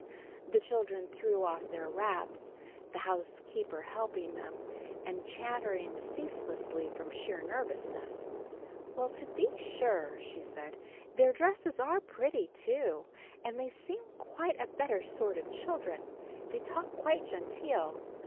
The children threw off their wraps, the housekeeper helping them, and chattering ceaselessly, from sheer nervousness. "Well, to be sure," said she, "their dresses are pretty, too. And they seem quite a better sort of children, they talk quite genteel.